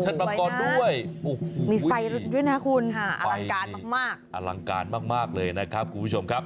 เชิดมังกรด้วยมีไฟด้วยนะคุณอลังการมากอลังการมากเลยนะครับคุณผู้ชมครับ